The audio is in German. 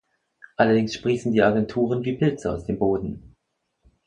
Allerdings sprießen die Agenturen wie Pilze aus dem Boden.